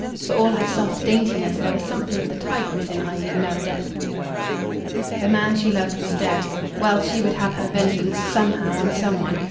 For all her soft daintiness, there was something of the tigress in Eileen Meredith. The man she loved was dead. Well, she would have her vengeance somehow, on some one.